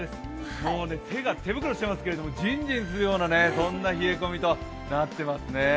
もうね、手が、手袋してますけど、ジンジンするような冷え込みとなっていますね。